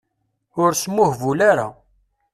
Ur smuhbul ara.